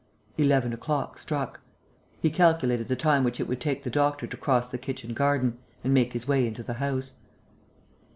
Eleven o'clock struck. He calculated the time which it would take the doctor to cross the kitchen garden and make his way into the house.